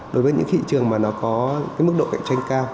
đối với những thị trường mà nó có cái mức độ cạnh tranh cao